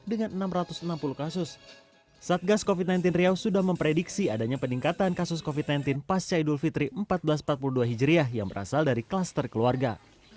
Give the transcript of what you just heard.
dengan enam ratus enam puluh kasus satgas covid sembilan belas riau sudah memprediksi adanya peningkatan kasus covid sembilan belas pasca idul fitri seribu empat ratus empat puluh dua hijriah yang berasal dari klaster keluarga